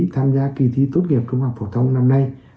tham gia kỳ thi tốt nghiệp trung học phổ thông năm nay